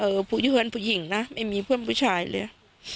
เออผู้เยือนผู้หญิงนะไม่มีเพื่อนผู้ชายเลย